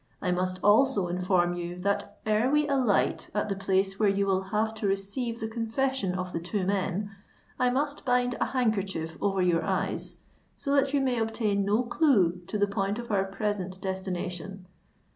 I must also inform you that ere we alight at the place where you will have to receive the confession of the two men, I must bind a handkerchief over your eyes, so that you may obtain no clue to the point of our present destination.